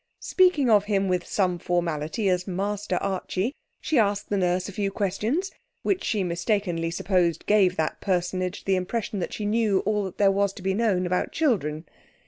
Speaking of him with some formality as Master Archie, she asked the nurse a few questions, which she mistakenly supposed gave that personage the impression that she knew all that there was to be known about children.